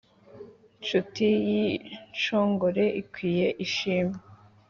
nshuti y’inshongore ikwiye ishimwe